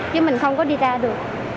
chứ mình không có đi ra được